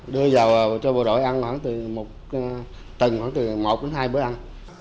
đưa vào cho bộ đội ăn khoảng từ một tầng khoảng từ một đến hai bữa ăn